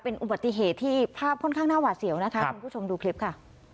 เป็นอุบัติเหตุที่ภาพค่อนข้างหน้าหวาดเสียวนะคะคุณผู้ชมดูคลิปค่ะ